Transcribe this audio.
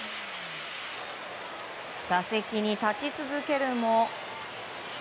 打席に立ち続けるも。